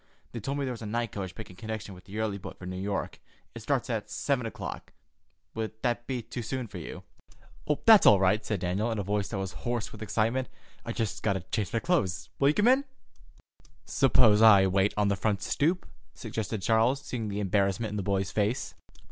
"They told me there was a night coach making connection with the early boat for New York. It starts at seven o'clock. Would that be too soon for you?" "That's all right," said Daniel, in a voice that was hoarse with excitement. "I just got to change my clothes. Will you come in?" "Suppose I wait on the front stoop," suggested Charles, seeing the embarrassment in the boy's face.